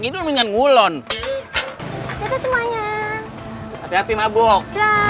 dari dulu hingga ngulon semuanya hati hati mabuk